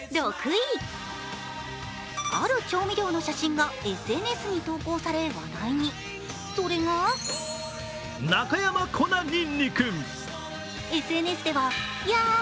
ある調味料の写真がＳＮＳに投稿され話題に、それがＳＮＳではなどと大バズり。